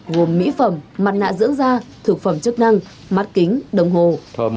gồm mỹ phẩm mặt nạ dưỡng da thực phẩm chức năng mắt kính đồng hồ